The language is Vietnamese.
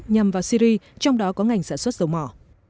nhằm vào syri trong đó có ngành sản xuất dầu mỏ